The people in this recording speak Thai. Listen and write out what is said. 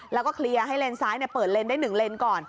แล้วก็เคลียร์ให้เลนซ้ายเปิดเลนได้๑เลนก่อน